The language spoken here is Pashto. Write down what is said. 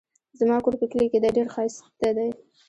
زما کور په کلي کې دی ډېر ښايسته دی